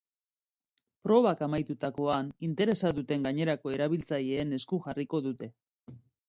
Probak amaitutakoan, interesa duten gainerako erabiltzaileen esku jarriko dute.